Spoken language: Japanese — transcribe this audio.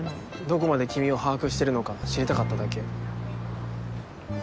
どこまで君を把握してるのか知りたかっただけ。